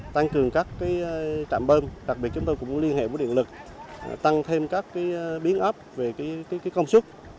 tăng cường các trạm bơm đặc biệt chúng tôi cũng liên hệ với điện lực tăng thêm các biến ấp về công suất